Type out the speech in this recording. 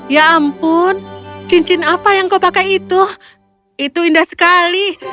ya ampun cincin apa yang kau pakai itu itu indah sekali